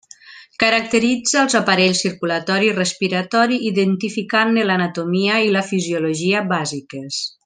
Caracteritza els aparells circulatori i respiratori identificant-ne l'anatomia i la fisiologia bàsiques.